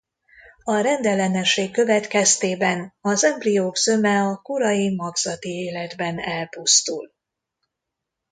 A rendellenesség következtében az embriók zöme a korai magzati életben elpusztul.